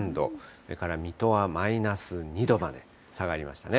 それから水戸はマイナス２度まで下がりましたね。